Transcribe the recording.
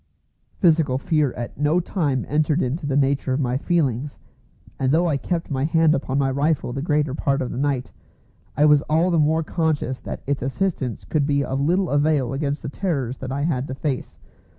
Physical fear at no time entered into the nature of my feelings; and though I kept my hand upon my rifle the greater part of the night, I was all the time conscious that its assistance could be of little avail against the terrors that I had to face.